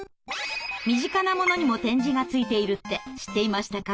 身近なものにも点字がついているって知っていましたか？